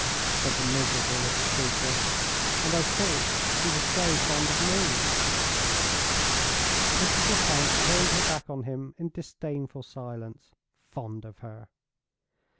said the miserable little creature; "and I thought she was so fond of Me!" Mrs. Lecount turned her back on him in disdainful silence. "Fond of her!"